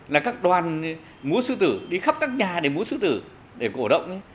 là các đoàn múa sư tử đi khắp các nhà để múa sư tử để cổ động